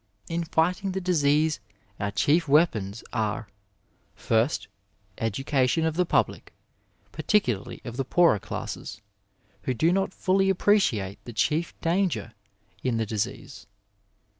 In fighting the disease our chief weapons are : First, education of the public, particularly of the poorer classes, who do Dot fully appreciate the chief danger in the disease.